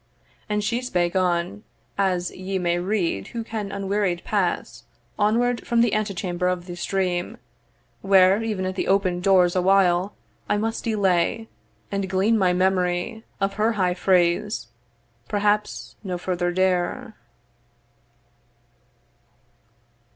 And she spake on, As ye may read who can unwearied pass Onward from the antechamber of this dream, Where even at the open doors awhile I must delay, and glean my memory Of her high phrase: perhaps no further dare.